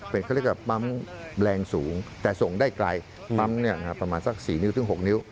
เป็นเขาเรียกว่าปั๊มแรงสูงแต่ส่งได้ไกลปั๊มประมาณสัก๔นิ้วถึง๖นิ้ว